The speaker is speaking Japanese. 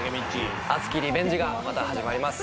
熱きリベンジがまた始まります。